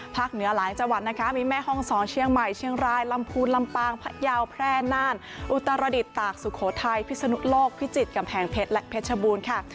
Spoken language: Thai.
เหนือหลายจังหวัดนะคะมีแม่ห้องศรเชียงใหม่เชียงรายลำพูนลำปางพะยาวแพร่น่านอุตรดิษฐตากสุโขทัยพิศนุโลกพิจิตรกำแพงเพชรและเพชรบูรณ์ค่ะ